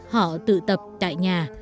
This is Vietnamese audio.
họ tự tập tại nhà